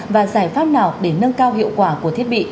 và giải pháp nào để nâng cao hiệu quả của thiết bị